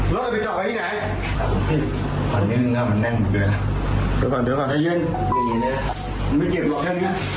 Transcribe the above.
เรื่องอะไรทำอะไรตีน้องตีน้ำตีหลานนะ